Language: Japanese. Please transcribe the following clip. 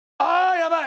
やばい！